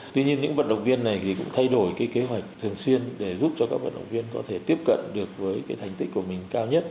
tuy nhiên những vận động viên này thì cũng thay đổi cái kế hoạch thường xuyên để giúp cho các vận động viên có thể tiếp cận được với cái thành tích của mình cao nhất